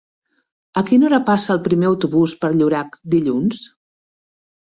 A quina hora passa el primer autobús per Llorac dilluns?